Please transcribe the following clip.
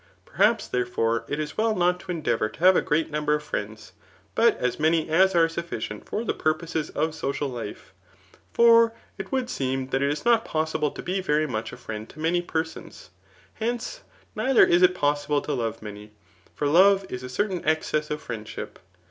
Perhaps, therefore, it is well not to endeavour to have a great number of friends, but as many as are sufficiem for the purposes of social life ; for it would seem diat it is not possible to be very much a friend to many persons. Hence, neither is it possible to love many ; for love is a certain excess of friendship.